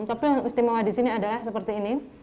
tapi yang istimewa disini adalah seperti ini